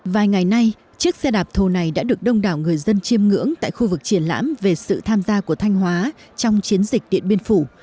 vài ngày nay chiếc xe đạp thù này đã được đông đảo người dân chiêm ngưỡng tại khu vực triển lãm về sự tham gia của thanh hóa trong chiến dịch điện biên phủ